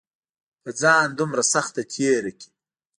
پۀ ځان دومره سخته تېره کړې